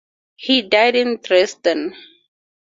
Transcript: He died in Dresden.